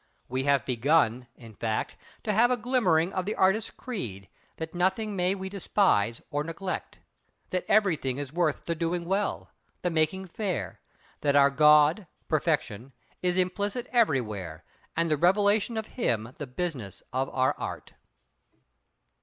We have begun, in fact, to have a glimmering of the artist's creed, that nothing may we despise or neglect—that everything is worth the doing well, the making fair—that our God, Perfection, is implicit everywhere, and the revelation of Him the business of our Art.